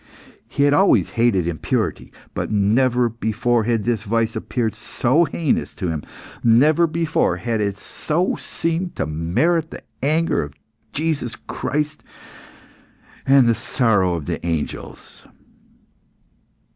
He had always hated impurity, but never before had this vice appeared so heinous to him; never before had it so seemed to merit the anger of Jesus Christ and the sorrow of the angels.